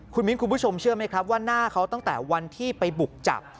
คุณมิ้นคุณผู้ชมเชื่อไหมครับว่าหน้าเขาตั้งแต่วันที่ไปบุกจับ